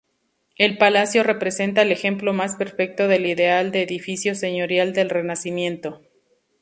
El palacio representa el ejemplo más perfecto del ideal de edificio señorial del Renacimiento.